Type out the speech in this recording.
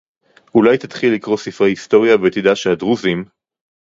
אולי תתחיל לקרוא ספרי היסטוריה ותדע שהדרוזים